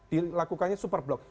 dilakukannya super block